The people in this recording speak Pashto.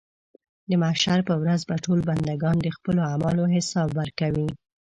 د محشر په ورځ به ټول بندګان د خپلو اعمالو حساب ورکوي.